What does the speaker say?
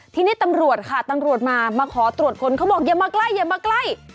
ทีนี้ตำรวจค่ะตำรวจมามาขอตรวจค้นเขาบอกอย่ามาใกล้อย่ามาใกล้